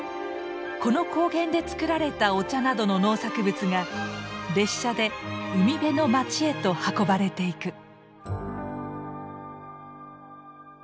この高原で作られたお茶などの農作物が列車で海辺の街へと運ばれていく。